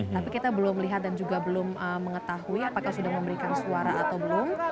tapi kita belum melihat dan juga belum mengetahui apakah sudah memberikan suara atau belum